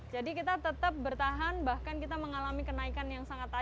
jadi kita tetap bertahan bahkan kita mengalami kenaikan yang sangat tinggi